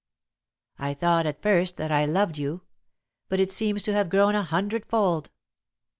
"I thought, at first, that I loved you, but it seems to have grown a hundred fold.